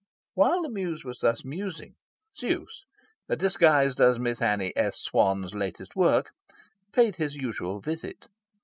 While the Muse was thus musing, Zeus (disguised as Miss Annie S. Swan's latest work) paid his usual visit.